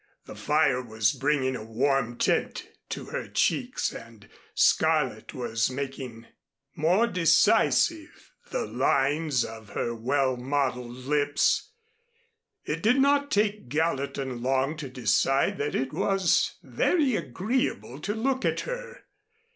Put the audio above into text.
The fire was bringing a warm tint to her cheeks and scarlet was making more decisive the lines of her well modeled lips. It did not take Gallatin long to decide that it was very agreeable to look at her.